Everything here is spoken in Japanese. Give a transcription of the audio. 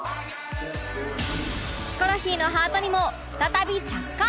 ヒコロヒーのハートにも再び着火